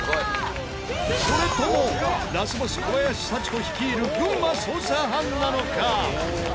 それともラスボス小林幸子率いる群馬捜査班なのか？